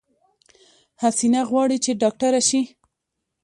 حسينه غواړی چې ډاکټره شی